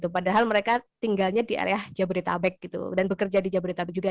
padahal mereka tinggalnya di area jabodetabek gitu dan bekerja di jabodetabek juga